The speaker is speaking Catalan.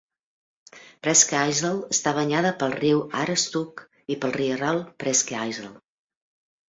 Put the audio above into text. Presque Isle està banyada pel riu Aroostook i pel rierol Presque Isle.